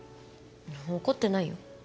怒ってないよ